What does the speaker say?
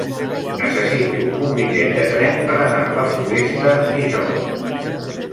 Necessito un bitllet de tren per anar a la Floresta dijous.